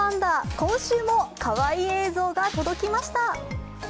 今週もかわいい映像が届きました。